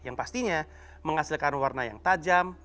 yang pastinya menghasilkan warna yang tajam